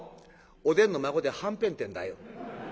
「お伝の孫ではんぺんってんだよ」。